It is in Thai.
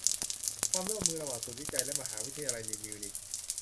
ความร่วมมือระหว่างศูนย์วิจัยและมหาวิทยาลัยในมิวนิก